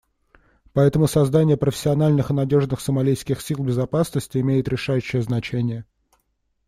Поэтому создание профессиональных и надежных сомалийских сил безопасности имеет решающее значение.